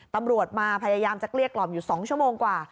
ตำรวจมาพยายามจะเกลี้ยกล่อมอยู่๒ชั่วโมงกว่า